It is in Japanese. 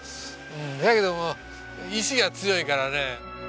せやけども意思が強いからね。